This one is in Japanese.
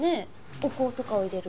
お香とかを入れる。